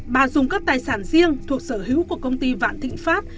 bà dùng các tài sản riêng thuộc sở hữu của công ty vạn thịnh pháp